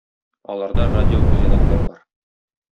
Аларда радиокүзәнәкләр бар.